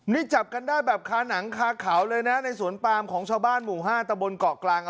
นี่จับกันได้แบบคาหนังคาเขาเลยนะในสวนปามของชาวบ้านหมู่๕ตะบนเกาะกลาง